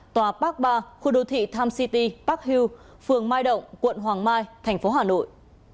trung cư pacific place số tám mươi ba b khu đô thị tham city park hill phường mai động quận hoàng mai thành phố hà nội